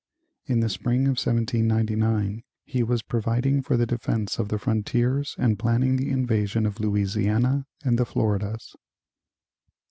In the spring of 1799 he was providing for the defense of the frontiers and planning the invasion of Louisiana and the Floridas.